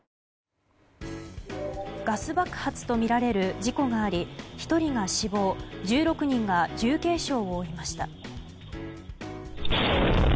ガス爆発とみられる事故があり１人が死亡１６人が重軽傷を負いました。